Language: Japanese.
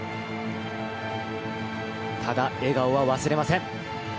ただ、笑顔は忘れません。